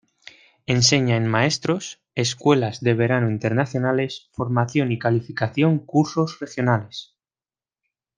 Enseña en Maestros, Escuelas de Verano Internacionales, Formación y Calificación Cursos regionales.